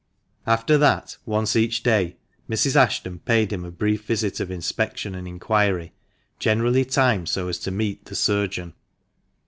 After that, once each day, Mrs. Ashton paid him a brief visit of inspection and inquiry, generally timed so as to meet the surgeon.